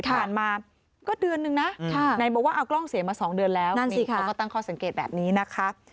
ผ่านมาก็เดือนนึงนะไหนบอกว่าเอากล้องเสียมา๒เดือนแล้วนั่นนี่เขาก็ตั้งข้อสังเกตแบบนี้นะคะ